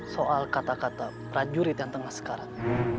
soal kata kata prajurit yang tengah sekarang